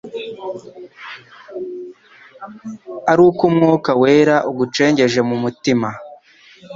ari uko Umwuka wera agucengeje mu mutima.